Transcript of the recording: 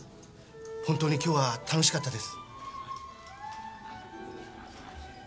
本当に今日は楽しかったです。